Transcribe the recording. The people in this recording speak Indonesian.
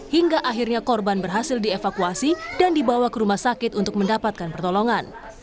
hingga akhirnya korban berhasil dievakuasi dan dibawa ke rumah sakit untuk mendapatkan pertolongan